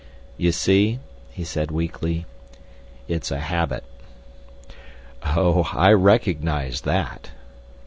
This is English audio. "You see," he said weakly, "it's a habit." "Oh, I recognise that."